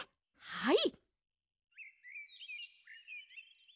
はい！